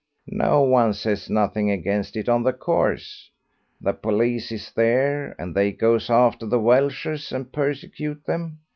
No one says nothing against it on the course; the police is there, and they goes after the welshers and persecutes them.